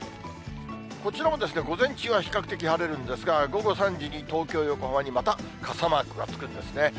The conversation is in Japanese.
こちらも午前中は比較的晴れるんですが、午後３時に東京、横浜にまた傘マークがつくんですね。